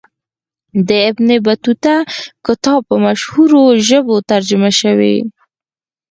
د ابن بطوطه کتاب په مشهورو ژبو ترجمه سوی.